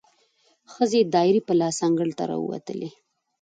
ښځې دایرې په لاس انګړ ته راووتلې،